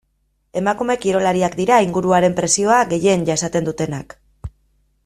Emakume kirolariak dira inguruaren presioa gehien jasaten dutenak.